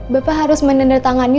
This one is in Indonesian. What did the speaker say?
bapak harus menandatangani